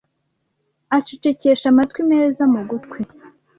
Acecekesha amatwi meza mu gutwi.